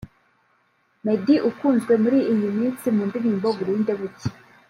Meddy ukunzwe muri iyi minsi mu ndirimbo ‘Burinde bucya’